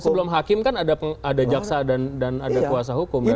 sebelum hakim kan ada jaksa dan ada kuasa hukum